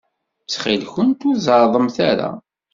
Ttxil-went, ur zeɛɛḍemt ara.